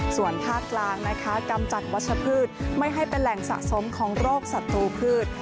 ส่วนภาคกลางนะคะกำจัดวัชพืชไม่ให้เป็นแหล่งสะสมของโรคศัตรูพืช